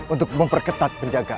untuk memperketat penjagaan